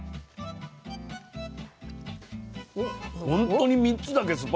本当に３つだけ？